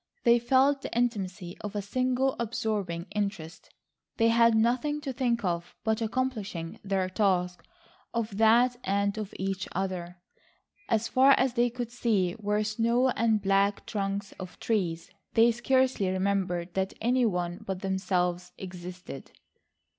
They felt the intimacy of a single absorbing interest. They had nothing to think of but accomplishing their task,—of that and of each other. As far as they could see were snow and black trunks of trees. They scarcely remembered that any one but themselves existed.